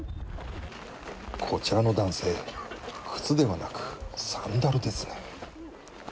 こちらの男性靴ではなくサンダルですね。